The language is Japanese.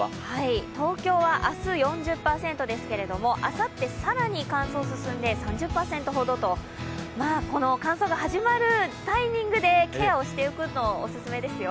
東京は明日、４０％ですけれどもあさって更に乾燥が進んで３０％ほどと、この乾燥が始まるタイミングでケアをしておくのがオススメですよ。